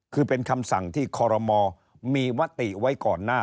คือเป็นคำสั่งที่คอรมอมีมติไว้ก่อนหน้า